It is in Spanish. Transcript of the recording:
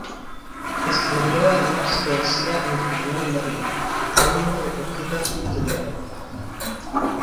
Escribió además poesía en español y latín, aún no recogida y estudiada.